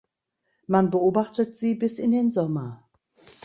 Man beobachtet sie bis in den Sommer.